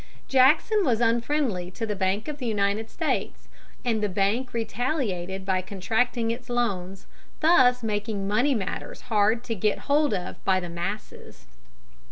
Jackson was unfriendly to the Bank of the United States, and the bank retaliated by contracting its loans, thus making money matters hard to get hold of by the masses.